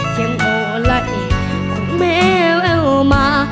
เชียงโอละอีกของแม่แววมา